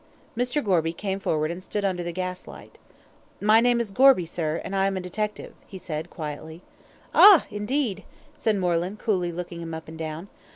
Mr. Gorby came forward and stood under the gas light. "My name is Gorby, sir, and I am a detective," he said quietly. "Ah! indeed," said Moreland, coolly looking him up and down.